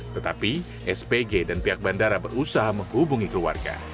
tetapi spg dan pihak bandara berusaha menghubungi keluarga